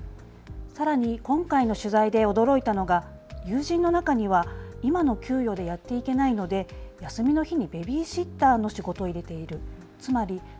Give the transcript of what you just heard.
さらに今回の取材で驚いたのが友人の中には今の給与でやっていけないので休みの日にベビーシッターの仕事を入れている。